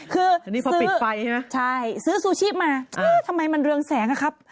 คือซื้อซูชิมาทำไมมันเรืองแสงอ่ะครับ